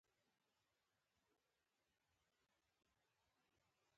ازادي راډیو د ورزش د پرمختګ په اړه هیله څرګنده کړې.